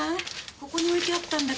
ここに置いてあったんだけど。